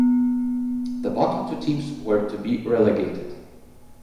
The bottom two teams were to be relegated.